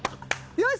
よし！